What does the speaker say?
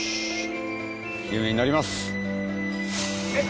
有名になります。